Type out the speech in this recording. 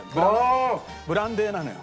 ブランデーなのよ。